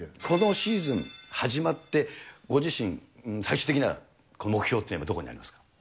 このシーズン始まって、ご自身、最終的には目標っていうのはどこにありますか？